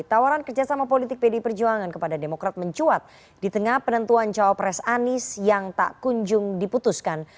tawaran kerjasama politik pdi perjuangan kepada demokrat mencuat di tengah penentuan cawapres anies yang tak kunjung diputuskan